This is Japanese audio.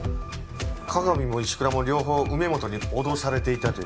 加賀見も石倉も両方梅本に脅されていたという事か？